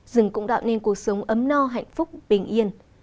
rừng cũng tạo nên cuộc sống ấm no hạnh phúc bình yên